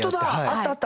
あったあった。